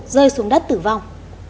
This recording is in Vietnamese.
rơi xuống đất tử vong